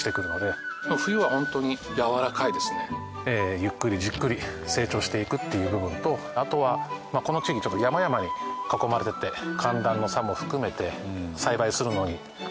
ゆっくりじっくり成長していくっていう部分とあとはこの地域ちょっと山々に囲まれてて寒暖の差も含めて栽培するのにすごく適した地域ではありますね。